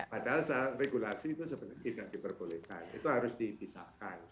padahal regulasi itu sebenarnya tidak diperbolehkan itu harus dipisahkan